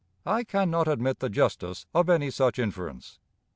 I can not admit the justice of any such inference.